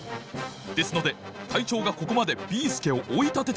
ですので隊長がここまでビーすけをおいたててください。